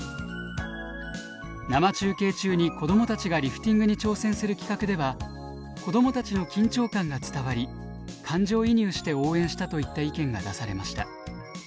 「生中継中に子供たちがリフティングに挑戦する企画では子供たちの緊張感が伝わり感情移入して応援した」といった意見が出されました。